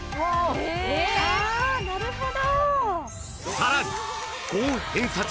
［さらに］